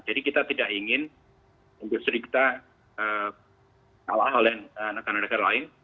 jadi kita tidak ingin industri kita kalah oleh negara negara lain